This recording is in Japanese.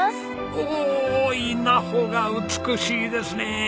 おお稲穂が美しいですねえ。